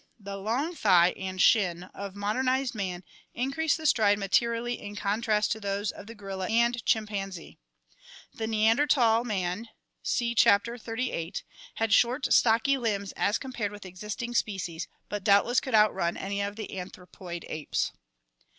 The long thigh and shin of modernized man increase the stride materially in contrast to those of the gorilla and chimpanzee. The Neanderthal man (see Chapter XXXVIII) had short stocky limbs as compared with the existing species, but doubtless could outrun any of the anthropoid apes.